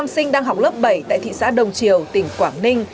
nam sinh đang học lớp bảy tại thị xã đồng triều tỉnh quảng ninh